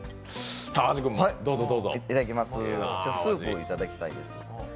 スープをいただきたいです。